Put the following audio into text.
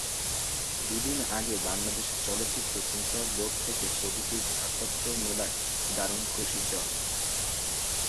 দুদিন আগে বাংলাদেশ চলচ্চিত্র সেন্সর বোর্ড থেকে ছবিটির ছাড়পত্র মেলায় দারুণ খুশি জয়।